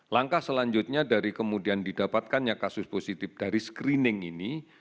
langkah selanjutnya dari kemudian didapatkannya kasus positif dari screening ini